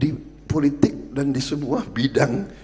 di politik dan di sebuah bidang